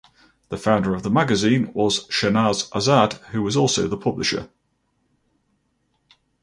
The founder of the magazine was Shahnaz Azad who was also the publisher.